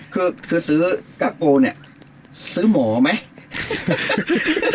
คือกรักโปเนี่ยซื้อหมอมั้ยเยอะมาก